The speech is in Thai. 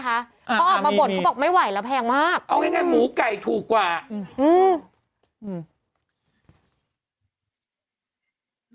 เขาออกมาบ่นเขาบอกไม่ไหวแล้วแพงมากเอาง่ายหมูไก่ถูกกว่าอืมอืม